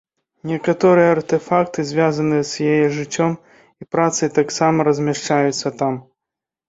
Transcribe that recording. Некаторыя артэфакты, звязаныя з яе жыццём і працай таксама размяшчаюцца там.